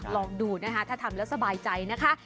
ลองดูนะคะถ้าทำแล้วสบายใจนะคะ